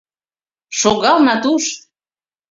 — Шогал, Натуш!..